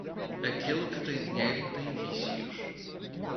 Aquele que tem dinheiro tem vícios.